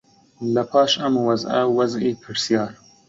لەپاش ئەم وەزعە وەزعی پرسیار